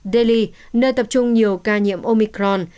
delhi nơi tập trung nhiều ca nhiễm omicron